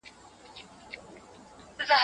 ایا لوی صادروونکي خندان پسته صادروي؟